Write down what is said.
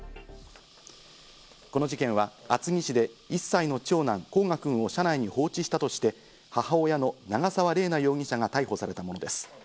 この事件は厚木市で１歳の長男・煌翔くんを車内に放置したとして、母親の長沢麗奈容疑者が逮捕されたものです。